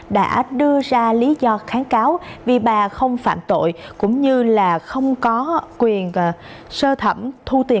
đã đưa ra lý do kháng cáo vì bà không phạm tội cũng như không có quyền sơ thẩm thu tiền